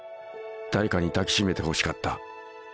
誰かに抱きしめてほしかった。